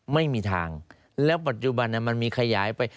ไม่มีทางแล้วปัจจุบันมันมีขยายไป